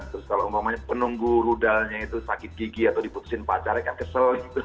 terus kalau umpamanya penunggu rudalnya itu sakit gigi atau diputusin pacarnya kan kesel gitu